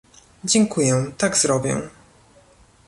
Dziękuję, tak zrobię